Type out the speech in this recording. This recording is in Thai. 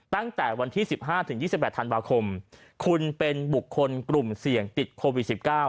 ตั้งแต่วันที่๑๕๒๘ธันวาคมคุณเป็นบุคคลกลุ่มเสี่ยงติดโควิด๑๙